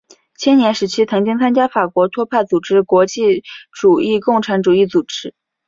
青年时期曾经参加法国托派组织国际主义共产主义组织。